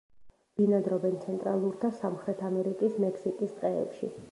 ბინადრობენ ცენტრალურ და სამხრეთ ამერიკის, მექსიკის ტყეებში.